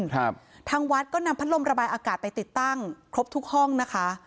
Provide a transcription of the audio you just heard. ครับทางวัดก็นำพัดลมระบายอากาศไปติดตั้งครบทุกห้องนะคะ